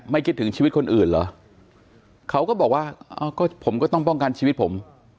คิดถึงชีวิตคนอื่นเหรอเขาก็บอกว่าก็ผมก็ต้องป้องกันชีวิตผม